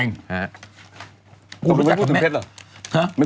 ไม่พูดถึงเพชรหรอ